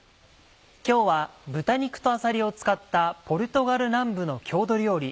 今日は豚肉とあさりを使ったポルトガル南部の郷土料理